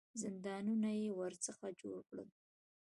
زندانونه یې ورڅخه جوړ کړل.